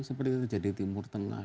seperti terjadi timur tengah